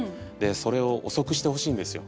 それを遅くしてほしいんですよ。